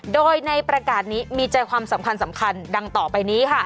โดยในประกาศนี้มีใจความสำคัญดังต่อไปนี้ค่ะ